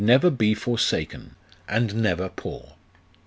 never be forsaken, and never poor.